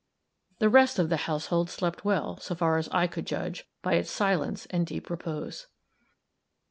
The rest of the household slept well, so far as I could judge, by its silence and deep repose.